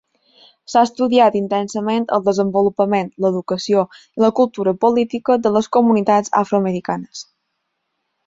S'ha estudiat intensament el desenvolupament, l'educació i la cultura política de les comunitats afroamericanes.